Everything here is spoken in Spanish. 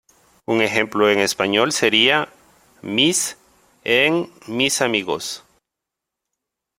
Un ejemplo en español sería ""mis"" en ""mis amigos"".